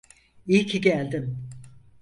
İyi ki geldin.